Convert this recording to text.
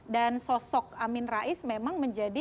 dan sosok amin rais memang menjadi